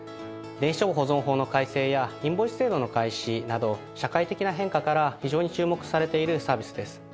電子帳簿保存法の改正やインボイス制度の開始など社会的な変化から非常に注目されているサービスです。